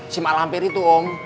si malam peri itu om